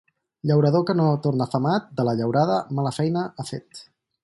Llaurador que no torna afamat de la llaurada mala feina ha fet.